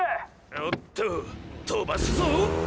おっととばすぞ！